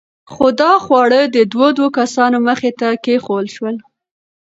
خو دا خواړه د دوو دوو کسانو مخې ته کېښوول شول.